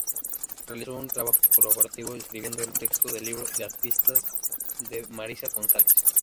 Realizó un trabajo colaborativo escribiendo el texto del libro de artista de Marisa González.